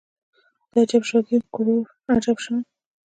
د اجب شاګۍ کروړو عجب شان